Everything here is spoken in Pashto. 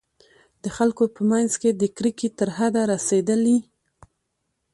د خلکو په منځ کې د کرکې تر حده رسېدلي.